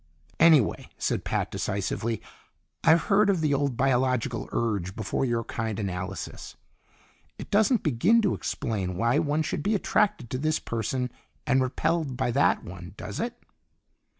"Anyway," said Pat decisively, "I've heard of the old biological urge before your kind analysis. It doesn't begin to explain why one should be attracted to this person and repelled by that one. Does it?"